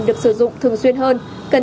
được sử dụng thường xuyên hơn